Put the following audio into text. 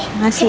terima kasih ya